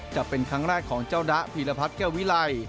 จะเป็นครั้งแรกของเจ้าดะพีรพัฒน์แก้ววิไล